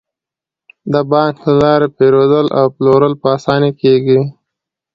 د بانک له لارې پيرودل او پلورل په اسانۍ کیږي.